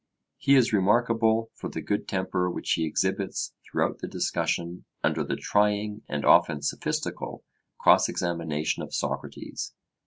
He is remarkable for the good temper which he exhibits throughout the discussion under the trying and often sophistical cross examination of Socrates.